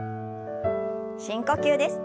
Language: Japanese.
深呼吸です。